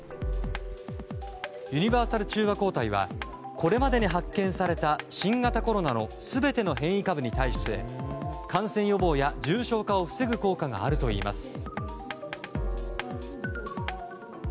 ユニバーサル中和抗体はこれまでに発見された新型コロナの全ての変異株に対して感染予防や重症化を防ぐ効果があるといいます。